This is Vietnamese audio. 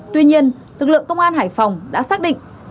tuy nhiên lực lượng công an hải phòng đã xác định